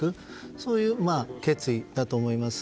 そういう決意だと思います。